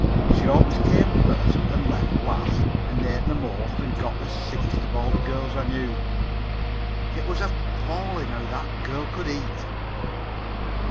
She always came first and left last and ate the most and got the sickest of all the girls I knew. It was appalling how that girl could eat.